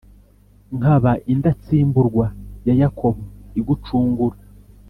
nkaba indatsimburwa ya yakobo igucungura.